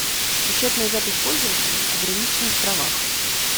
Учетная запись пользователя ограничена в правах